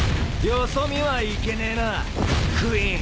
よそ見はいけねえなクイーン。